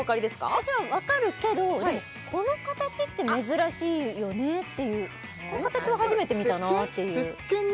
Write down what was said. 私はわかるけどでもこの形って珍しいよねっていうこの形は初めて見たなっていうせっけん？